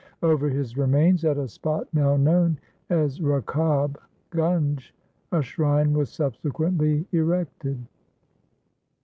Over his remains, at a spot now known as Rakab Gunj, a shrine was subsequently erected.